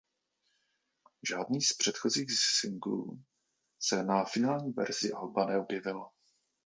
Žádný z předchozích singlů se na finální verzi alba neobjevil.